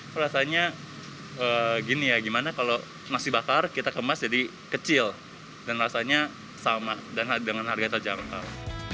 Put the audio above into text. perasaannya gini ya gimana kalau nasi bakar kita kemas jadi kecil dan rasanya sama dan dengan harga terjangkau